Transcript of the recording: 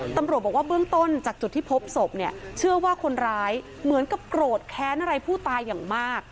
ตำรวจบอกว่าเบื้องต้นจากจุดที่พบศพเนี่ยเชื่อว่าคนร้ายเหมือนกับโกรธแค้นอะไรผู้ตายอย่างมาก